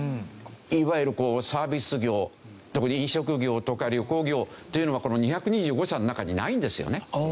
いわゆるサービス業特に飲食業とか旅行業というのはこの２２５社の中にないんですよね。